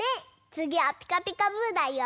つぎは「ピカピカブ！」だよ！